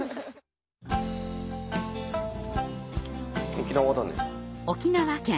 沖縄だね。